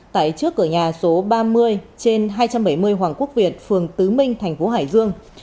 tại trước cửa nhà số ba mươi trên hai trăm bảy mươi hoàng quốc việt phường tứ minh thành phố hải dương